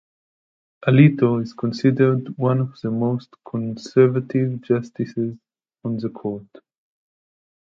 Alito is considered "one of the most conservative justices on the Court".